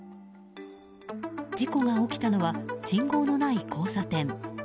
事故が起きたのは信号のない交差点。